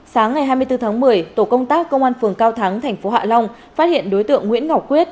sáng ngày hai mươi bốn tháng một mươi tổ công tác công an phường cao thắng thành phố hạ long phát hiện đối tượng nguyễn ngọc quyết